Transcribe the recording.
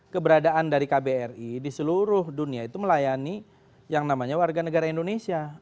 keberadaan dari kbri di seluruh dunia itu melayani yang namanya warga negara indonesia